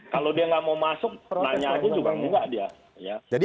kalau dia nggak mau masuk nanya aja juga enggak dia